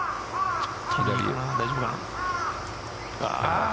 大丈夫かな。